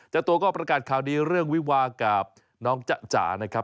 เจ้าตัวก็ประกาศข่าวดีเรื่องวิวากับน้องจ๊ะจ๋านะครับ